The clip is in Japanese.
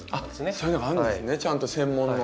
そういうのがあるんですねちゃんと専門の。